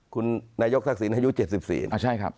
๘๐คุณนายกทักศิลป์อายุ๗๔